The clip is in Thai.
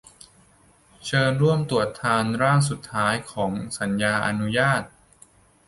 เชิญร่วมตรวจทานร่างสุดท้ายของสัญญาอนุญาต